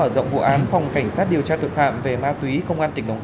đã xuất hiện khóm tre đắng